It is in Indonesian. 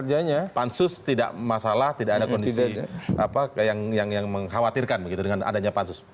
artinya pansus tidak masalah tidak ada kondisi yang mengkhawatirkan begitu dengan adanya pansus